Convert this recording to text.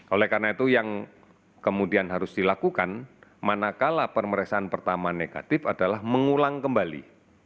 oleh karena itu yang kemudian harus dilakukan manakala pemeriksaan pertama negatif adalah mengulang kembali